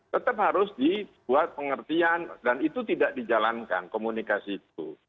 tetap harus dibuat pengertian dan itu tidak dijalankan komunikasi itu